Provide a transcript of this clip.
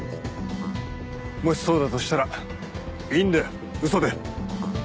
もしそうだとしたらいいんだよ嘘で。